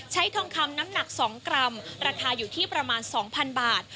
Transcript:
ทองคำน้ำหนัก๒กรัมราคาอยู่ที่ประมาณ๒๐๐๐บาท